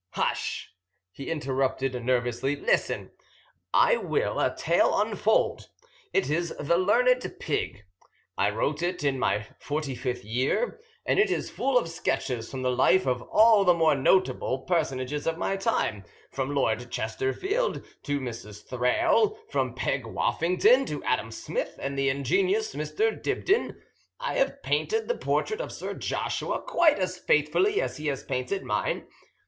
"Hush!" he interrupted nervously. "Listen, and I will a tale unfold. It is called The Learned Pig. I wrote it in my forty fifth year, and it is full of sketches from the life of all the more notable personages of my time, from Lord Chesterfield to Mrs. Thrale, from Peg Woffington to Adam Smith and the ingenious Mr. Dibdin. I have painted the portrait of Sir Joshua quite as faithfully as he has painted mine.